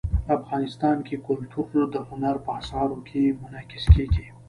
افغانستان کې کلتور د هنر په اثار کې منعکس کېږي.